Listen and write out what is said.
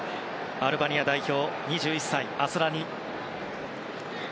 アルバニア代表の２１歳アスラニ。